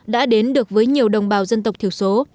đã đến được với nhiều đồng bào dân tộc thiểu số